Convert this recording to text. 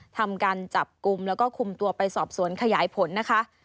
ทำการจับกลุ่มแล้วก็คุมตัวไปสอบสวนขยายผลนะคะ